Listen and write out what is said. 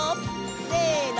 せの！